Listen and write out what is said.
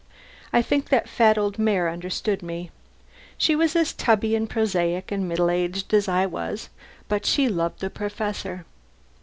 I think that fat old mare understood me. She was as tubby and prosaic and middle aged as I but she loved the Professor.